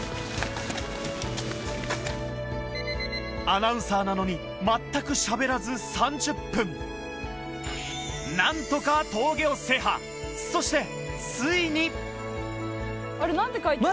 アナウンサーなのに全くしゃべらず何とかそしてついにあれ何て書いてある？